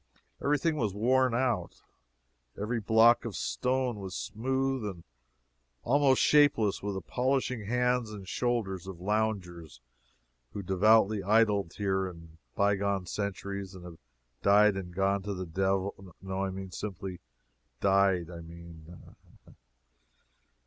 Every thing was worn out every block of stone was smooth and almost shapeless with the polishing hands and shoulders of loungers who devoutly idled here in by gone centuries and have died and gone to the dev no, simply died, I mean.